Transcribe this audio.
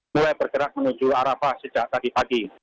mulai bergerak menuju arafah sejak tadi pagi